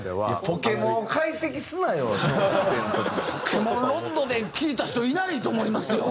『ポケモン』をロンドで聴いた人いないと思いますよ。